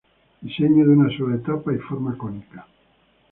Diseño de una sola etapa y forma cónica.